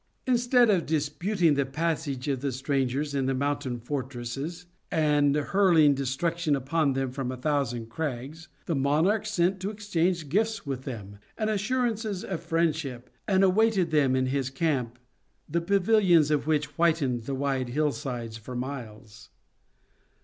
Instead of disputing the passage of the strangers in the mountain fortresses, and hurling destruction upon them from a thousand crags, the monarch sent to exchange gifts with them, and assurances of friendship; and awaited them in his camp, the pavilions of which whitened the wide hillsides for miles.